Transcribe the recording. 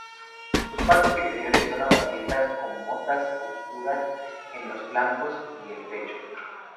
Sus partes inferiores son amarillentas con motas oscuras en los flancos y el pecho.